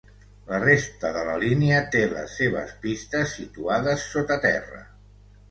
La resta de la línia té les seves pistes situades sota terra.